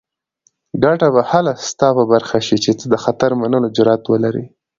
ګټه به هله ستا په برخه شي چې ته د خطر منلو جرات ولرې.